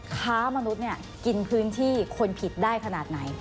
ค้ามนุษย์กินพื้นที่คนผิดได้ขนาดไหน